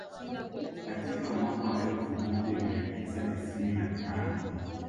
katika mwaka wa elfu moja mia tisa tisini na tano